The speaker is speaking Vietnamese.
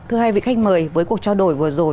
thưa hai vị khách mời với cuộc trao đổi vừa rồi